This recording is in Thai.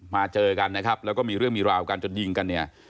เจอกันนะครับแล้วก็มีเรื่องมีราวกันจนยิงกันเนี่ย